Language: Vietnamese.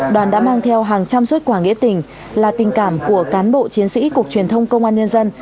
đoàn đã mang theo hàng trăm xuất quả nghĩa tình là tình cảm của cán bộ chiến sĩ cục truyền thông công an nhân dân